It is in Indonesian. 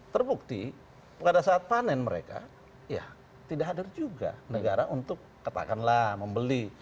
terbukti pada saat panen mereka ya tidak hadir juga negara untuk katakanlah membeli